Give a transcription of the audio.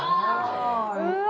うわ！